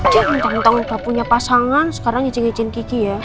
ya entang entang gue punya pasangan sekarang nyecing ngecin kiki ya